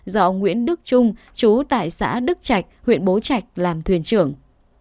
do ông nguyễn đức trung chú tại xã đức trạch huyện bố trạch làm thuyền trưởng